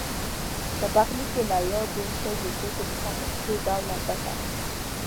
په پخلي کې له یادو شویو توکو څخه په څو ډوله ګټه اخلي.